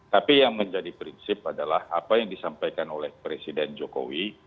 tapi yang menjadi prinsip adalah apa yang disampaikan oleh presiden jokowi